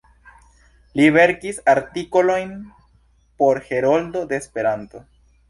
Li verkis artikolojn por "Heroldo de Esperanto.